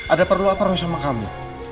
ada perlu apa harus sama kamu